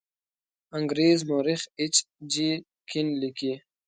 انګریز مورخ ایچ جي کین لیکي.